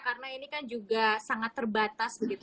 karena ini kan juga sangat terbatas